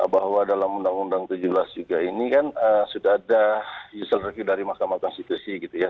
bahwa dalam undang undang tujuh belas juga ini kan sudah ada judicial review dari mahkamah konstitusi gitu ya